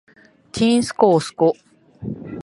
ちんすこうすこ